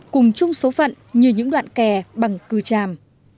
cùng chung số phận như những đoạn kè bằng cư tràm